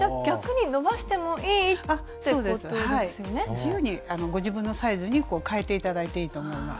自由にご自分のサイズに変えて頂いていいと思います。